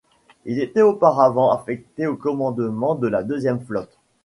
Il était auparavant affecté au commandement de la deuxième flotte.